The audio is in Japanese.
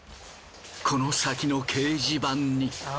この先の掲示板に。